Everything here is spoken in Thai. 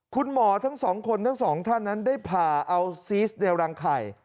คุณหมอทั้งสองคนทั้งสองท่านนั้นได้ผ่าเอาซีสในรังไข่